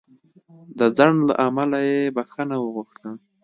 د ځنډ له امله یې بخښنه وغوښتله.